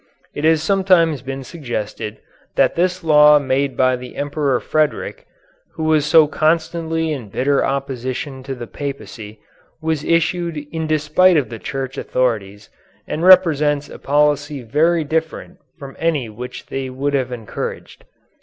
It has sometimes been suggested that this law made by the Emperor Frederick, who was so constantly in bitter opposition to the Papacy, was issued in despite of the Church authorities and represents a policy very different from any which they would have encouraged.